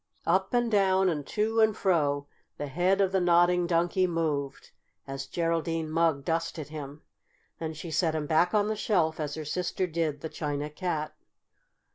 Up and down and to and fro the head of the Nodding Donkey moved as Geraldine Mugg dusted him. Then she set him back on the shelf, as her sister did the China Cat.